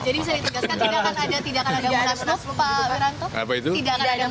jadi bisa ditegaskan tidak akan ada munasnub pak wiranto